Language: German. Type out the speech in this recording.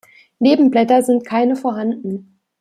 Nebenblätter sind keine vorhanden.